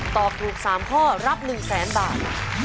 ตอบถูก๓ข้อรับ๑๐๐๐๐๐บาท